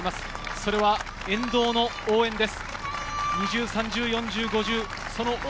それは沿道の応援です。